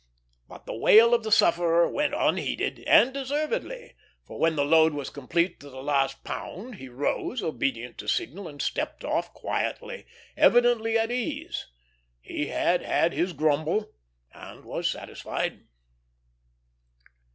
But the wail of the sufferer went unheeded, and deservedly; for when the load was complete to the last pound he rose, obedient to signal, and stepped off quietly, evidently at ease. He had had his grumble, and was satisfied.